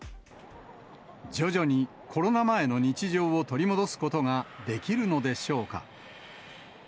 徐々にコロナ前の日常を取り戻すことができるのでしょうか。